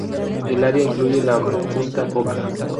El área incluye la punta Foca.